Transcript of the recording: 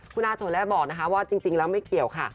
คุณอาโถและบอกนะคะว่าจริงแล้วไม่เกี่ยวค่ะ